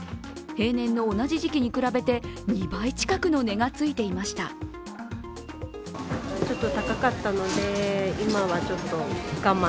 平年の同じ時期に比べて２倍近くの値がついていました。